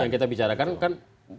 yang kita bicarakan kan